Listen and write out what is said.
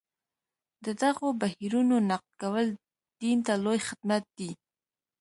د دغو بهیرونو نقد کول دین ته لوی خدمت دی.